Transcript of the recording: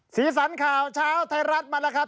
สีสันข่าวเช้าไทยรัฐมาแล้วครับ